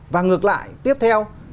và ngược lại tiếp theo